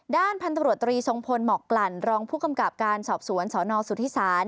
ด้านพันธบรวตรีทรงพลหมอกกลั่นรองผู้กำกับการสอบสวนสนสุธิศาล